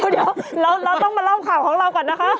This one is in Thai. เดี๋ยวเราต้องมาเล่าข่าวของเราก่อนนะคะ